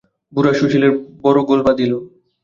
বুড়া সুশীলের বড়ো গোল বাধিল।